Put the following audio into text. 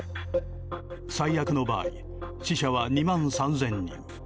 最悪の場合死者は２万３０００人。